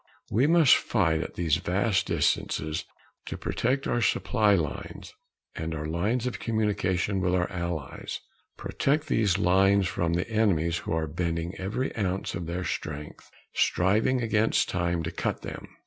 We must fight at these vast distances to protect our supply lines and our lines of communication with our allies protect these lines from the enemies who are bending every ounce of their strength, striving against time, to cut them.